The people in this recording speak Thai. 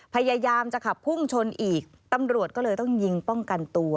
พยายามจะขับพุ่งชนอีกตำรวจก็เลยต้องยิงป้องกันตัว